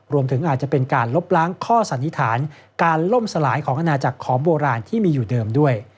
รวมถึงอาจจะเป็นการลบล้างข้อสันนิษฐานการล่มสลายของอาณาจักรของโบราณที่มีอยู่เดิมด้วย